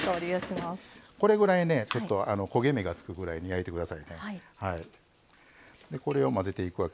これぐらい焦げ目がつくぐらい焼いてくださいね。